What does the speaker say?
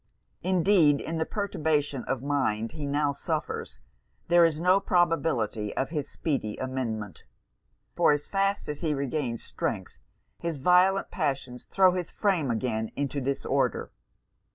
Indeed, in the perturbation of mind he now suffers, there is no probability of his speedy amendment; for as fast as he regains strength, his violent passions throw his frame again into disorder.